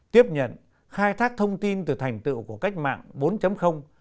tiếp nhận khai thác thông tin từ thành tựu của cách mạng bốn